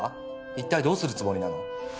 一体どうするつもりなの？